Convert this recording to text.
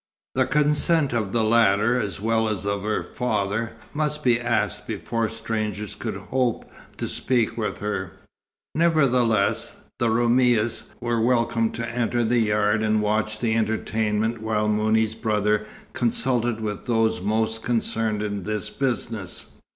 The consent of the latter, as well as of her father, must be asked before strangers could hope to speak with her. Nevertheless, the Roumis were welcome to enter the yard and watch the entertainment while Mouni's brother consulted with those most concerned in this business.